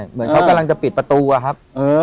เหมือนเขากำลังจะปิดประตูอะครับ